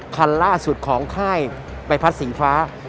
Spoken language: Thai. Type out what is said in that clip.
คันล่าสุดของค่ายใบพัดสีฟ้า